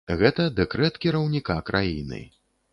Гэта дэкрэт кіраўніка краіны.